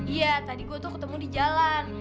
iya tadi gue tuh ketemu di jalan